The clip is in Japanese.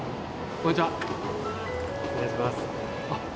こんにちは。